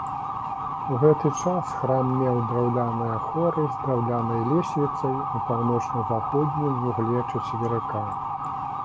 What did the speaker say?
У гэты час храм меў драўляныя хоры з драўлянай лесвіцай у паўночна-заходнім вугле чацверыка.